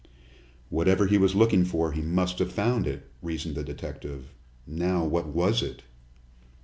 "Whatever he was looking for, he must have found it," reasoned the detective. "Now, what was it?"